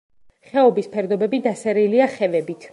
ხეობის ფერდობები დასერილია ხევებით.